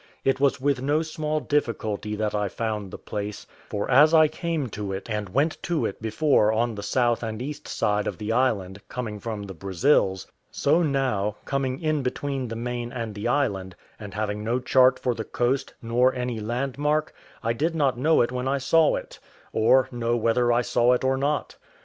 It was with no small difficulty that I found the place; for as I came to it and went to it before on the south and east side of the island, coming from the Brazils, so now, coming in between the main and the island, and having no chart for the coast, nor any landmark, I did not know it when I saw it, or, know whether I saw it or not.